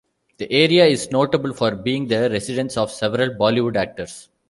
The area is notable for being the residence of several Bollywood actors.